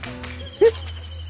えっ？